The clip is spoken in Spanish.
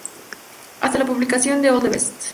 Hasta la publicación de "All the Best!